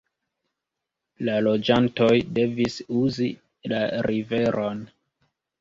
La loĝantoj devis uzi la riveron.